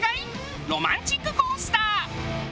ロマンチックコースター。